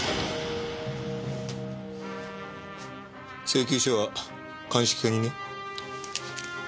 請求書は鑑識課にね。